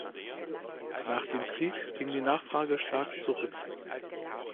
Nach dem Krieg ging die Nachfrage stark zurück.